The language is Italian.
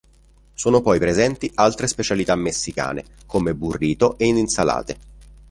Sono poi presenti altre specialità messicane come "burrito" ed insalate.